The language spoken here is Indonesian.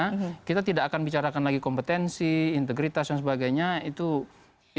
kalau saya tidak akan bicarakan lagi kompetensi integritas dan sebagainya itu ibu sri mulyani cukup tinggi